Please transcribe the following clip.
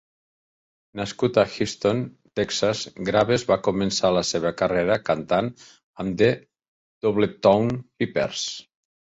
Nascut a Houston, Texas, Graves va començar la seva carrera cantant amb The Doodletown Pipers.